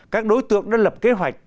các đối tượng đã lập kế hoạch